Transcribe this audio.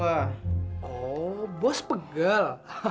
oh bos pegal